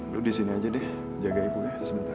dulu di sini aja deh jaga ibu ya sebentar